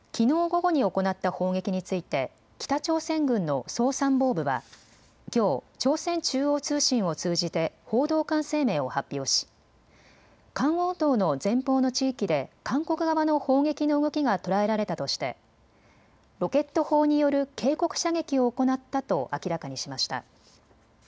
午後に行った砲撃について北朝鮮軍の総参謀部はきょう朝鮮中央通信を通じて報道官声明を発表しカンウォン道の前方の地域で韓国側の砲撃の動きが捉えられたとしてロケット砲による警告射撃を行ったと明らかにしました。